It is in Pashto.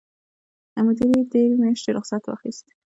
مدیرې درې میاشتې رخصت واخیست.